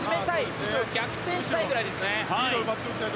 むしろ逆転したいぐらいですね。